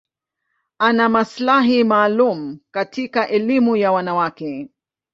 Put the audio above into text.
Ana maslahi maalum katika elimu ya wanawake.